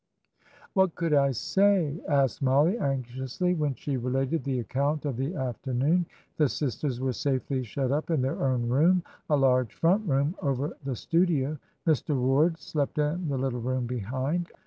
"What could I say?" asked Mollie, anxiously, when she related the account of the afternoon. The sisters were safely shut up in their own room a large front room over the studio. Mr. Ward slept in the little room behind.